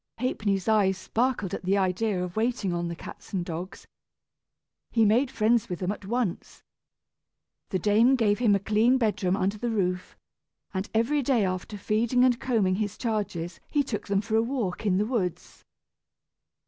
Ha'penny's eyes sparkled at the idea of waiting on the cats and dogs. He made friends with them at once. The dame gave him a clean bedroom under the roof, and every day after feeding and combing his charges he took them for a walk in the woods.